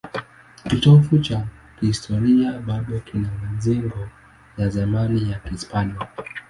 Kitovu cha kihistoria bado kina majengo ya zamani ya Kihispania.